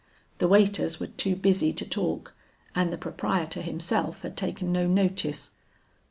The waiters were too busy to talk, and the proprietor himself had taken no notice.